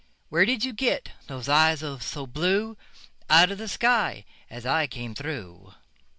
Where did you get those eyes so blue? Out of the sky as I came through.